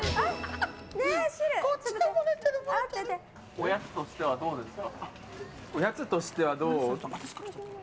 おやつとしてはどうですか。